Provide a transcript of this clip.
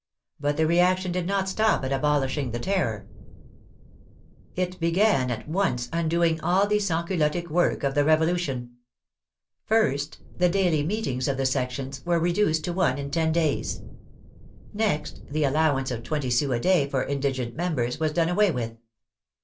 But the reaction did not stop at abolishing the Terror. It began ' V'"*V '* i MAXIMILIEN ROBESPIERRE THE REACTION BEGINS 97 at once undoing all the " sansculottic " work of the Rev olution. First, the daily meetings of the sections were reduced to one in ten days. Next, the allowance of twenty sous a day for indigent members was done away with.